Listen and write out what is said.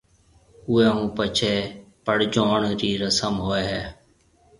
اوئيَ ھون پڇيَ پڙجوڻ رِي رسم ھوئيَ ھيََََ